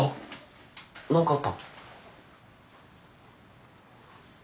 何かあった？